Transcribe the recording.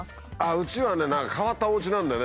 うちはね変わったおうちなんでね。